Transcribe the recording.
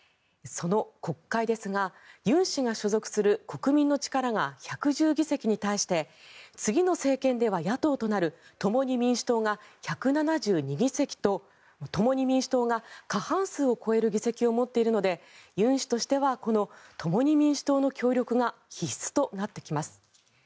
その国会ですが尹氏が所属する国民の力が１１０議席に対して次の政権では野党となる共に民主党が１７２議席と共に民主党が過半数を超える議席を持っているので尹氏としてはこの共に民主党の協力が必須となってきます。